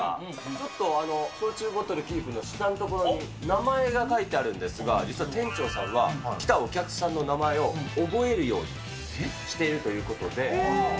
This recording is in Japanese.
ちょっと焼酎ボトルキープの下の所に、名前が書いてあるんですが、実は店長さんは、来たお客さんの名前を覚えるようにしているということで。